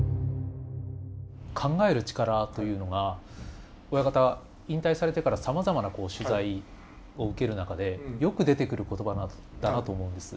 考える力というのが親方引退されてからさまざまな取材を受ける中でよく出てくる言葉だなと思うんです。